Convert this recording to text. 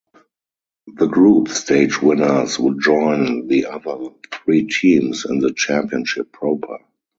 The group stage winners would join the other three teams in the championship proper.